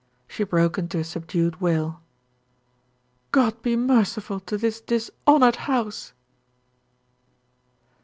She broke into a subdued wail. "God be merciful to this dishonored house!"